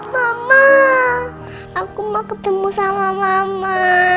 mama aku mau ketemu sama mama